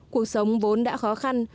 cuộc sống vốn đã khó khăn